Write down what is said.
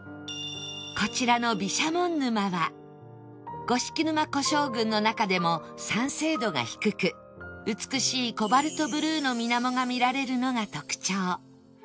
こちらの毘沙門沼は五色沼湖沼群の中でも酸性度が低く美しいコバルトブルーの水面が見られるのが特徴